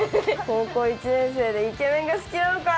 高校１年生でイケメンが好きなのか。